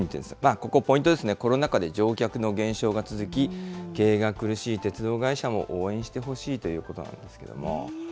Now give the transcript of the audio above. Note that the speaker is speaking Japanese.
ここポイントですね、コロナ禍で乗客の減少が続き、経営が苦しい鉄道会社も応援してほしいということなんですけども。